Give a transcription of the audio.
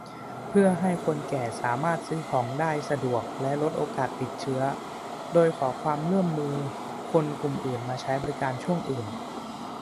เพื่อให้คนแก่สามารถซื้อของได้สะดวกและลดโอกาสติดเชื้อ โดยขอความร่วมมือคนกลุ่มอื่นมาใช้บริการช่วงอื่น